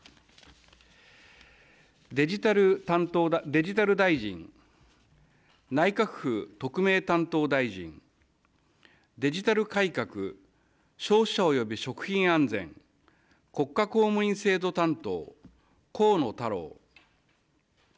デジタル大臣、内閣府特命担当大臣、デジタル改革、消費者及び食品安全、国家公務員制度担当、河野太郎。